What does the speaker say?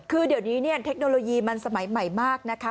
คือเดี๋ยวนี้เนี่ยเทคโนโลยีมันสมัยใหม่มากนะคะ